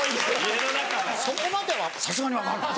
そこまではさすがに分かんない。